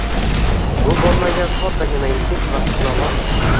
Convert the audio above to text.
Bu bo’lmagan soddagina yigit va qizaloq.